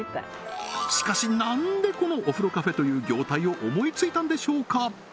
しかしなんでこのおふろカフェという業態を思いついたんでしょうか？